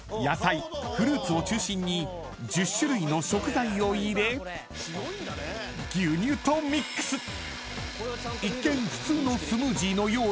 ［野菜フルーツを中心に１０種類の食材を入れ牛乳とミックス］